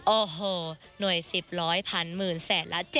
โอ้โหหน่วย๑๐พันหมื่นแสนละ๗๐